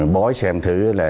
bói xem thử là